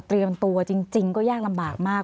เตรียมตัวจริงก็ยากลำบากมาก